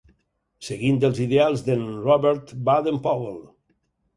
Seguint els ideals d'en Robert Baden-Powell.